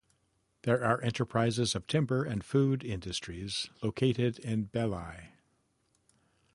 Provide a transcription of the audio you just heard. There are enterprises of timber and food industries located in Bely.